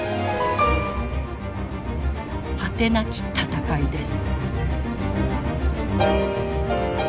果てなき闘いです。